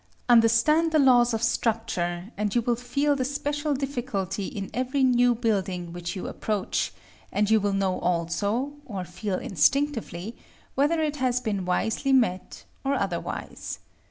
Understand the laws of structure, and you will feel the special difficulty in every new building which you approach; and you will know also, or feel instinctively, whether it has been wisely met or otherwise.